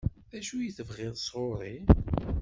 D acu i tebɣiḍ sɣur-i?